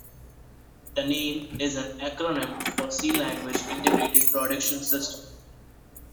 The name is an acronym for C Language Integrated Production System.